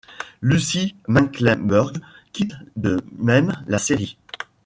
Lucy Mecklenburgh quitte de même la série.